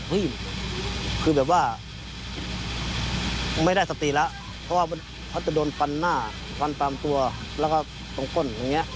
ผมก็ไม่ได้สติละเพราะว่าจะด้านหน้าตามตัวก็ตกข้น